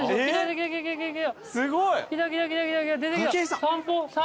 すごい。